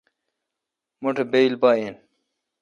مٹھ بایل پا این۔